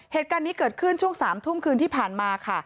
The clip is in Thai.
เหตุการณ์นี้เกิดขึ้นช่วง๓ทุ่มคืนที่ผ่านมาค่ะ